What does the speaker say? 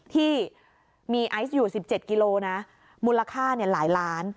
ที่มีไอซ์อยู่๑๗กิโลนะมูลค่าหลายล้าน